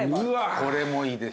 これもいいでしょ。